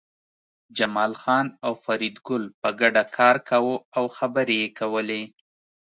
جمال خان او فریدګل په ګډه کار کاوه او خبرې یې کولې